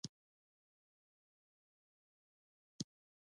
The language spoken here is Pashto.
که ناسم تاثر ورکړې، خبره زیان لري